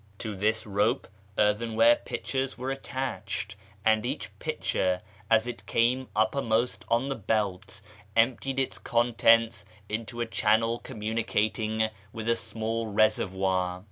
To this rope earthenware pitchers were attached, and each pitcher as it came uppermost on the belt emptied its contents into a channel communicating wdth a small reservoir.